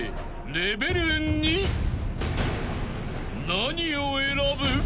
［何を選ぶ？］